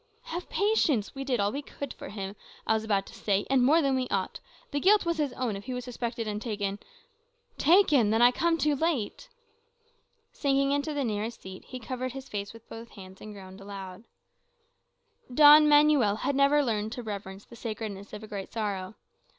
"Have patience. We did all we could for him, I was about to say; and more than we ought. The fault was his own, if he was suspected and taken " "Taken! Then I come too late." Sinking into the nearest seat, he covered his face with both hands, and groaned aloud. Don Manuel Alvarez had never learned to reverence the sacredness of a great sorrow.